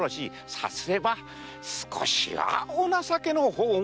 さすれば少しはお情けの方も。